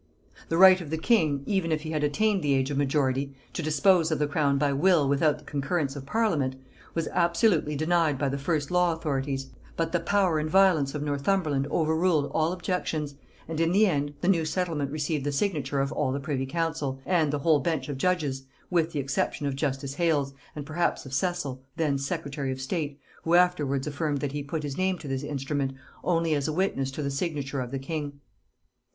The right of the king, even if he had attained the age of majority, to dispose of the crown by will without the concurrence of parliament, was absolutely denied by the first law authorities: but the power and violence of Northumberland overruled all objections, and in the end the new settlement received the signature of all the privy council, and the whole bench of judges, with the exception of justice Hales, and perhaps of Cecil, then secretary of state, who afterwards affirmed that he put his name to this instrument only as a witness to the signature of the king.